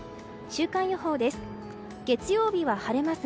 週間予報です。